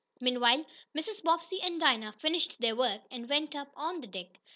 Meanwhile Mrs. Bobbsey and Dinah finished their work, and went up on deck.